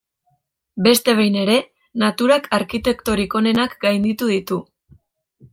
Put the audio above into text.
Beste behin ere, naturak arkitektorik onenak gainditu ditu.